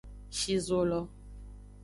Shi zo lo.